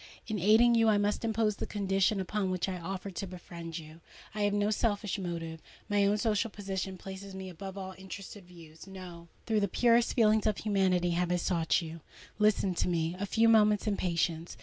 In aiding you, I must impose the conditions upon which I offer to befriend you! I have no selfish motive:—my own social position places me above all interested views. No:—through the purest feelings of humanity have I sought you. Listen to me a few moments in patience.